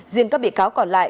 diện các bị cáo còn lại